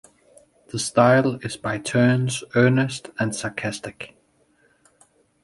The style is by turns earnest and sarcastic.